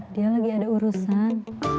dia lagi ada urusan